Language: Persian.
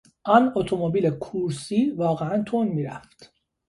آن اتومبیل کورسی واقعا تند میرفت.